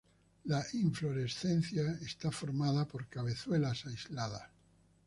La inflorescencia está formada por cabezuelas aisladas.